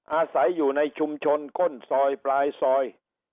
อาศัยอยู่ในชุมชนก้นซอยปลายซอย